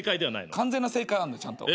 完全な正解あんのちゃんと。